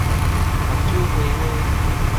目睭花花